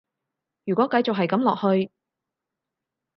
如果繼續係噉落去